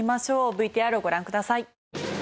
ＶＴＲをご覧ください。